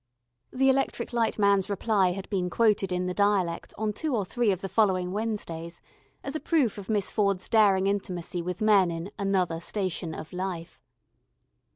The electric light man's reply had been quoted in the dialect on two or three of the following Wednesdays, as a proof of Miss Ford's daring intimacy with men in Another Station of Life.